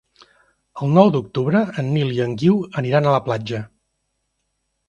El nou d'octubre en Nil i en Guiu aniran a la platja.